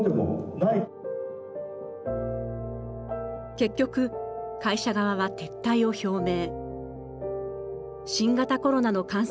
結局会社側は撤退を表明。